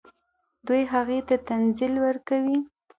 دوی هغوی ته تنزل ورکوي.